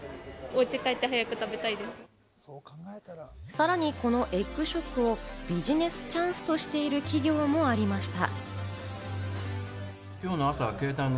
さらにこのエッグショックをビジネスチャンスとしている企業もありました。